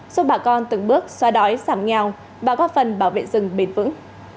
giúp bà con từng bước xoa đói giảm nghèo và góp phần bảo vệ rừng bền vững